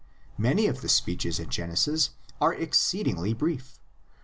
Many of the speeches in Genesis are exceedingly brief.